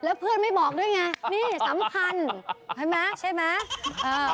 แล้วเพื่อนไม่บอกด้วยไงนี่สำคัญใช่ไหมใช่ไหม